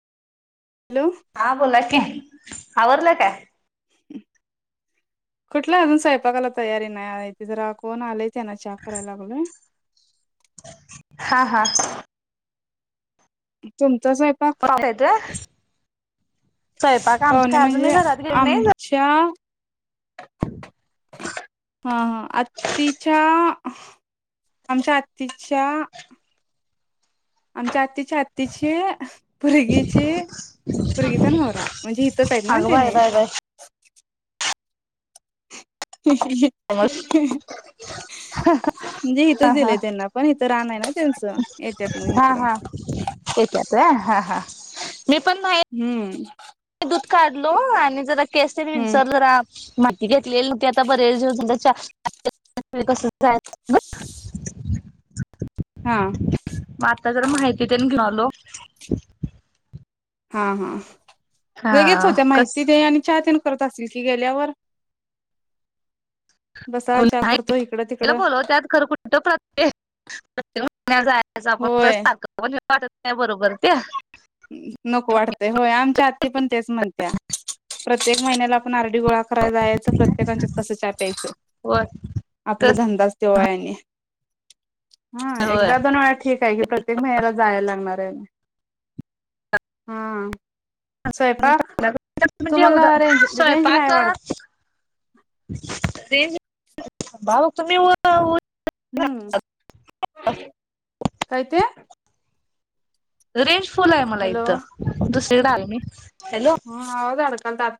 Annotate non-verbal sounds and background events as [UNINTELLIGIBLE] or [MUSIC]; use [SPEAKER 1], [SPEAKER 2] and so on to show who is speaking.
[SPEAKER 1] Hello
[SPEAKER 2] हा बोला की, आवरलं काय?
[SPEAKER 1] [UNINTELLIGIBLE] कुठलं अजून स्वयंपाकाला तयारी नाही आता जरा कोण आलायं तेना चहा करायला लागलोय.
[SPEAKER 2] हा हा
[SPEAKER 1] तुमचा स्वयंपाक
[SPEAKER 2] आता येतोय? स्वयंपाक आमच्या काय अजूनही घरात गेले नाही
[SPEAKER 1] चहा हा हा... आत्तीच्या... आमच्या आत्तीच्या आमच्या आत्तीच्या आत्तीची... पुरगीची.... पुरगीचा नवरा म्हणजे हितच हाय ना
[SPEAKER 2] अगं बाय
[SPEAKER 1] त्येनी?
[SPEAKER 2] बाय बाय
[SPEAKER 1] [UNINTELLIGIBLE] म्हणजे
[SPEAKER 2] हा
[SPEAKER 1] हिथंच
[SPEAKER 2] हा
[SPEAKER 1] दिलंय त्यांना पण... हिथं रान ए ना त्यांचं... येत्यात मग
[SPEAKER 2] हा
[SPEAKER 1] हिकडं.
[SPEAKER 2] हा येत्यात व्हय... हा हा मी पण न्ह्याई
[SPEAKER 1] हुं.
[SPEAKER 2] मी दूध काढलो... आणि जरा केस तेन
[SPEAKER 1] हम्म
[SPEAKER 2] विंचारलो जरा माहिती घेतलीली होती... आता बरेच दिवस झालं [UNINTELLIGIBLE] [UNINTELLIGIBLE]
[SPEAKER 1] हा.
[SPEAKER 2] मग आता जरा माहिती तेन घेऊन आलो.
[SPEAKER 1] हा हा... लगेच
[SPEAKER 2] हा
[SPEAKER 1] होत्या
[SPEAKER 2] कस
[SPEAKER 1] माहिती ते अन चहा तेन करत असतील की गेल्यावर बसा
[SPEAKER 2] कोण
[SPEAKER 1] चहा
[SPEAKER 2] नाही
[SPEAKER 1] करतो... इकडं तिकडं
[SPEAKER 2] बोलवत्यात खरं कुठं प्रत्येक... प्रत्येक महिन्याला जायचं... आपण परत
[SPEAKER 1] होय
[SPEAKER 2] सारखं पण मला वाटत नाई बरोबर ते
[SPEAKER 1] नको वाटतंय होय... आमच्या आत्ती पण तेच म्हणत्या... प्रत्येक महिन्याला आपण आरडी गोळा कराय जायचं... प्रत्येकाच्यात कसं चहा प्यायचं?
[SPEAKER 2] होय
[SPEAKER 1] आपला
[SPEAKER 2] तस
[SPEAKER 1] धंदाच त्यो आहे आणि... हा...
[SPEAKER 2] होय
[SPEAKER 1] एकदा-दोन वेळा ठीक काय गं... प्रत्येक महिन्याला जायला लागणार येना? हा... स्वयंपाक...
[SPEAKER 2] म्हणजे एवढं
[SPEAKER 1] तुम्हांला रेंज... रेंज नाही
[SPEAKER 2] स्वयंपाक
[SPEAKER 1] वाढ
[SPEAKER 2] रेंज... ते भाऊ तुम्ही वर वर
[SPEAKER 1] हूं... काय ते?
[SPEAKER 2] रेंज फुल आहे मला
[SPEAKER 1] हॅलो
[SPEAKER 2] इथं... दुसरीकडे आलो मी... हॅलो
[SPEAKER 1] हं आवाज अडकलतात